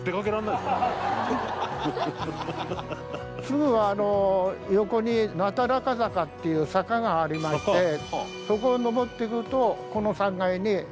すぐあの横になだらか坂っていう坂がありましてそこを上っていくとこの３階に着くんです。